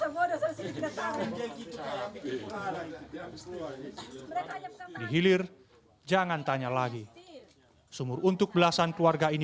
mereka masa bodoh selesai tiga tahun